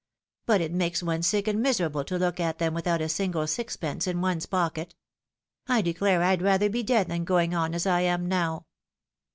'' But it makes one sick and miserable to look at them without a single sixpence in one's pocket. I declare I'd rather be dead than going on as I am now